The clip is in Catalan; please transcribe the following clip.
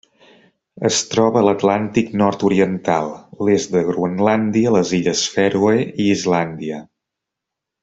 Es troba a l'Atlàntic nord-oriental: l'est de Groenlàndia, les illes Fèroe i Islàndia.